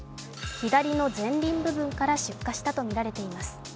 左の前輪部分から出火したとみられています。